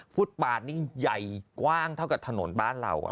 ฟุตปาดนี่ใหญ่กว้างเท่ากับถนนบ้านเรา